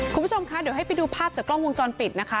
คุณผู้ชมคะเดี๋ยวให้ไปดูภาพจากกล้องวงจรปิดนะคะ